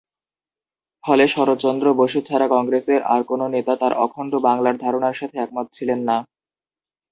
ফলে শরৎচন্দ্র বসু ছাড়া কংগ্রেসের আর কোন নেতা তার অখণ্ড বাংলার ধারণার সাথে একমত ছিলেন না।